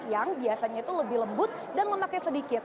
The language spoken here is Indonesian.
yang biasanya itu lebih lembut dan lemaknya sedikit